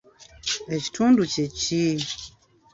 Ekitundu kye ki?